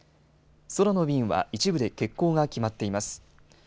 空の便は一部で欠航が決まっています。